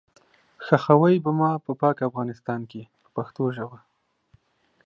ښخوئ به ما په پاک افغانستان کې په پښتو ژبه.